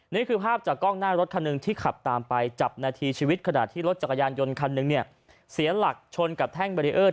นี่คือภาพจากกล้องหน้ารถคันหนึ่งที่ขับตามไปจับนาทีชีวิตขณะที่รถจักรยานยนต์คันหนึ่งเนี่ยเสียหลักชนกับแท่งเบรีเออร์